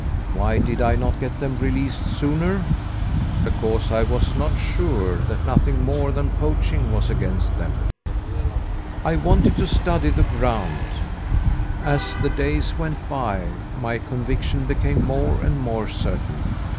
Why did I not get them released sooner? Because I was not sure that nothing more than poaching was against them. I wanted to study the ground. As the days went by, my conviction became more and more certain.